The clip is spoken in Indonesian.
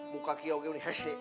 mukaku yang gini hese